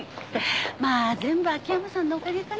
まあ全部秋山さんのおかげかな。